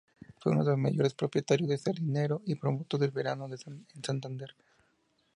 Fue uno de los mayores propietarios del Sardinero y promotor del veraneo en Santander.